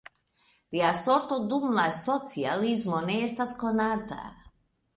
Lia sorto dum la socialismo ne estas konata.